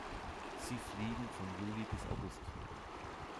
Sie fliegen von Juli bis August.